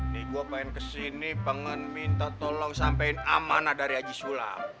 nih gua pengen kesini pengen minta tolong sampein amanah dari haji sulam